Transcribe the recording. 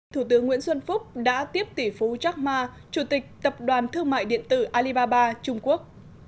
thủ tướng nguyễn xuân phúc đã tiếp tỷ phú chekma chủ tịch tập đoàn thương mại điện tử alibaba trung quốc